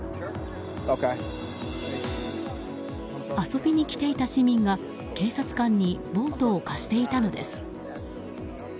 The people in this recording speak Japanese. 遊びに来ていた市民が警察官にボートを貸していたのです。